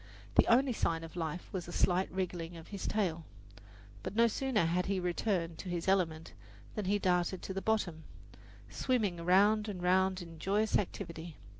The only sign of life was a slight wriggling of his tail. But no sooner had he returned to his element than he darted to the bottom, swimming round and round in joyous activity.